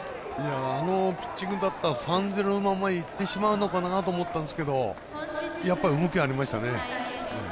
あのピッチングだったら３対０のままいってしまうのかなと思ったんですけど動きがありましたね。